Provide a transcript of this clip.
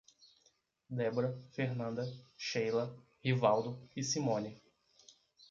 Débora, Fernanda, Sheila, Rivaldo e Simone